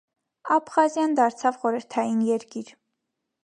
Աբխազիան դարձավ խորհրդային երկիր։